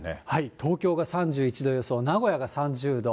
東京が３１度予想、名古屋が３０度。